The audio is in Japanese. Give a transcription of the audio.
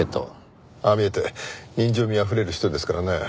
ああ見えて人情味あふれる人ですからね。